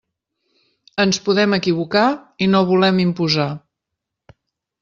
Ens podem equivocar i no volem imposar.